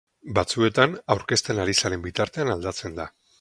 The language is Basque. Batzuetan aurkezten ari zaren bitartean aldatzen da.